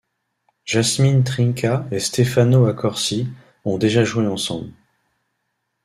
Jasmine Trinca et Stefano Accorsi ont déjà joué ensemble.